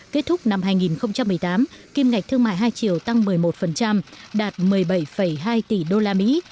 kết thúc năm hai nghìn một mươi tám kim ngạch thương mại hai triệu tăng một mươi một đạt một mươi bảy hai tỷ đô la mỹ